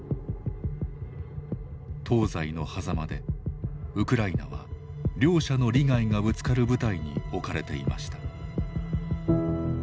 東西のはざまでウクライナは両者の利害がぶつかる舞台に置かれていました。